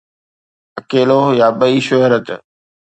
اڪيلو يا ٻٽي شهريت